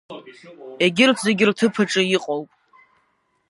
Егьырҭ зегьы рҭыԥаҿы иҟоуп…